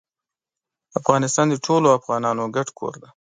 افغانستان د ټولو افغانانو ګډ کور دی.